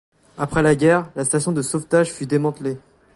Après la guerre, la station de sauvetage fut démantelée.